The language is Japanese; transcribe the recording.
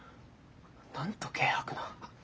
なんと軽薄な。